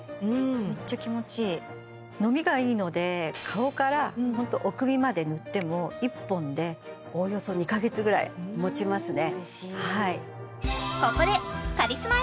めっちゃ気持ちいい伸びがいいので顔からホントお首まで塗っても１本でおよそ２カ月ぐらいもちますね・